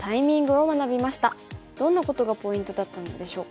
どんなことがポイントだったのでしょうか。